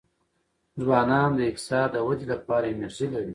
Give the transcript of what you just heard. ځوانان د اقتصاد د ودې لپاره انرژي لري.